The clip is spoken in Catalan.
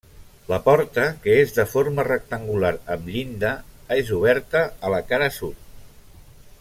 La porta, que és de forma rectangular amb llinda, és oberta a la cara sud.